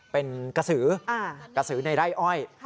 เป็นกระสือในไล่อ้อย